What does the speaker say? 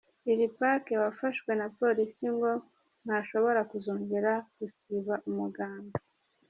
Lil Pac wafashwe na Police ngo ntashobora kuzongera gusiba umuganda.